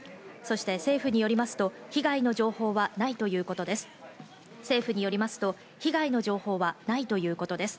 政府によりますと被害の情報はないということです。